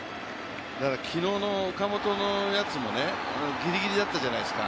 昨日の岡本のやつもギリギリだったじゃないですか。